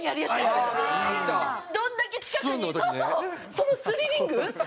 そのスリリング！